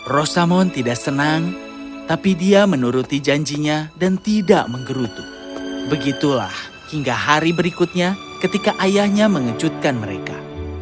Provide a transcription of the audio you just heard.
rosamon tidak senang tapi dia menuruti janjinya dan tidak menggerutu begitulah hingga hari berikutnya ketika ayahnya mengejutkan mereka